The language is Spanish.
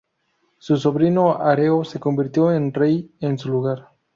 Su sobrino Areo se convirtió en rey en su lugar.